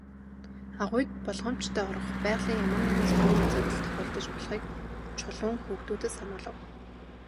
Агуйд болгоомжтой орох, байгалийн ямар нэгэн сонин үзэгдэл тохиолдож болохыг Чулуун хүүхдүүдэд сануулав.